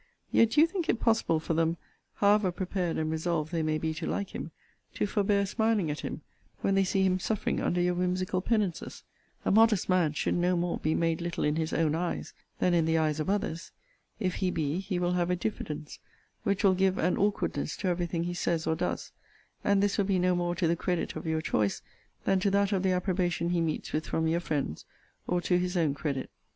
Yet do you think it possible for them (however prepared and resolved they may be to like him) to forbear smiling at him, when they see him suffering under your whimsical penances? A modest man should no more be made little in his own eyes, than in the eyes of others. If he be, he will have a diffidence, which will give an awkwardness to every thing he says or does; and this will be no more to the credit of your choice than to that of the approbation he meets with from your friends, or to his own credit.